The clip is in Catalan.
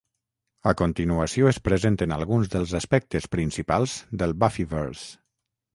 A continuació es presenten alguns dels aspectes principals del Buffyvers.